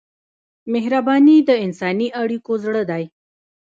مهرباني د انساني اړیکو زړه دی.